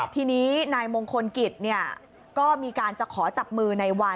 ทีนี้นายมงคลกิจก็มีการจะขอจับมือในวัน